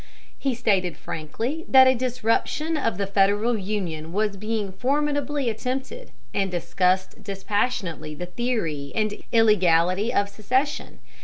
He stated frankly that a disruption of the Federal Union was being formidably attempted, and discussed dispassionately the theory and illegality of secession.